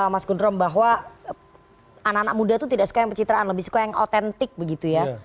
mas gundrom bahwa anak anak muda itu tidak suka yang pencitraan lebih suka yang otentik begitu ya